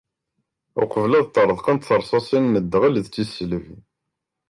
Uqbel ad ṭṭreḍqent tersasin n ddɣel d tisselbi.